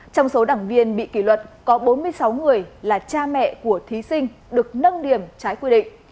trong số đảng viên bị kỷ luật có bốn mươi sáu người là cha mẹ của thí sinh được nâng điểm trái quy định